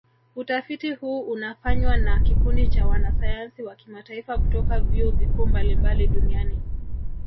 Utafiti huu unafanywa na kikundi cha wanasayansi wa kimataifa kutoka vyuo vikuu mbalimbali duniani